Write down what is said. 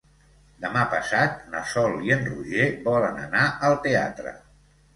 Demà passat na Sol i en Roger volen anar al teatre.